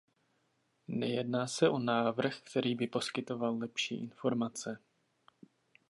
Nejedná se o návrh, který by poskytoval lepší informace.